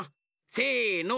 せの。